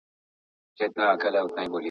منثور لیکنه روانه او ساده وي.